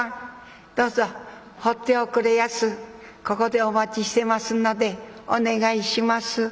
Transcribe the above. ここでお待ちしてますのでお願いします。